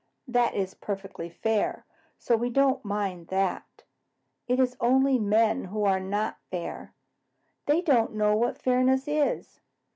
That is perfectly fair, so we don't mind that. It is only men who are not fair. They don't know what fairness is."